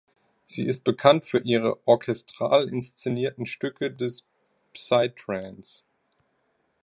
Sie ist bekannt für ihre orchestral inszenierten Stücke des Psytrance.